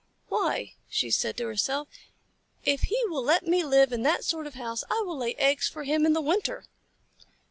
"Why," she said to herself, "if he will let me live in that sort of house I will lay eggs for him in the winter."